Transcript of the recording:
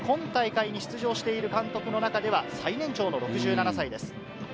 今大会に出場している監督の中では最年長の６７歳です。